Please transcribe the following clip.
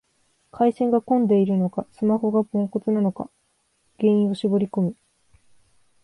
回線が混んでるのか、スマホがポンコツなのか原因を絞りこむ